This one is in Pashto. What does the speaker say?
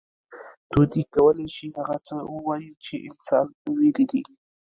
طوطي کولی شي، هغه څه ووایي، چې انسان ویلي دي.